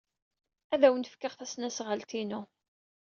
Ad awen-fkeɣ tasnasɣalt-inu.